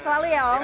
selalu ya om